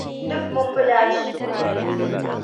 Duk mun fi dacewa.